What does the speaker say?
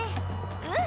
うん！